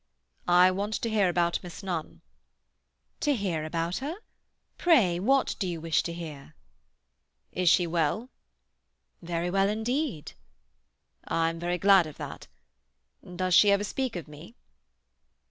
"I want to hear about Miss Nunn." "To hear about her? Pray, what do you wish to hear?" "Is she well?" "Very well indeed." "I'm very glad of that. Does she ever speak of me?"